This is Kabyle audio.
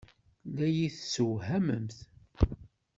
La iyi-tessewhamemt.